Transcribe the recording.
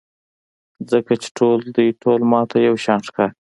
ځکه چې دوی ټول ماته یوشان ښکاري.